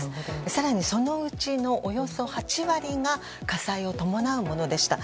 更にそのうちのおよそ８割が火災を伴うものでした。